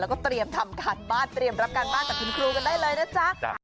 แล้วก็เตรียมทำการบ้านเตรียมรับการบ้านจากคุณครูกันได้เลยนะจ๊ะ